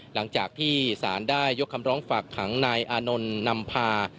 หลังจากที่สารได้ยกคำร้องฝากขังนายอานนท์นำพา